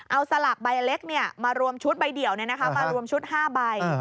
เอาสลากใบเล็กมารวมชุดใบเดี่ยวมารวมชุด๕ใบ